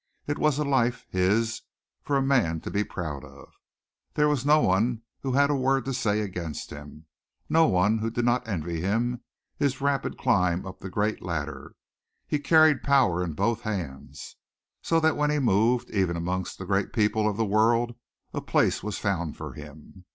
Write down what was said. It was a life, his, for a man to be proud of. There was no one who had a word to say against him, no one who did not envy him his rapid climb up the great ladder. He carried power in both hands, so that when he moved even amongst the great people of the world a place was found for him.